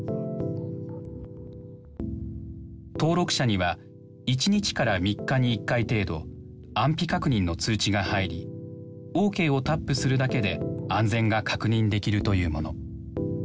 登録者には１日から３日に一回程度安否確認の通知が入りＯＫをタップするだけで安全が確認できるというもの。